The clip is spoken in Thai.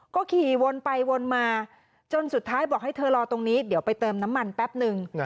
ก็ขี่วนไปวนมาจนสุดท้ายบอกให้เธอรอตรงนี้เดี๋ยวไปเติมน้ำมันแป๊บนึง